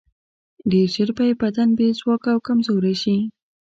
ډېر ژر به یې بدن بې ځواکه او کمزوری شي.